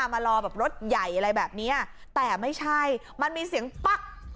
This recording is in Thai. มารอแบบรถใหญ่อะไรแบบเนี้ยแต่ไม่ใช่มันมีเสียงปั๊ก